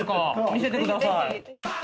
見せてください。